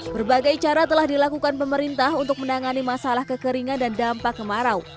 berbagai cara telah dilakukan pemerintah untuk menangani masalah kekeringan dan dampak kemarau